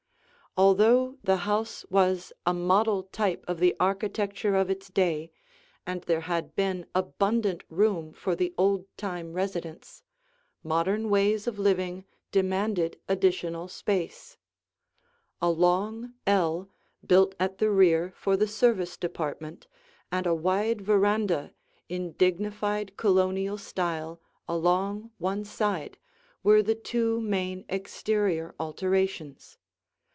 [Illustration: The Front Doorway] Although the house was a model type of the architecture of its day, and there had been abundant room for the old time residents, modern ways of living demanded additional space. A long ell, built at the rear for the service department, and a wide veranda in dignified Colonial style along one side were the two main exterior alterations.